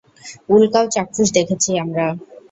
উল্কাও চাক্ষুষ দেখেছি আমরা।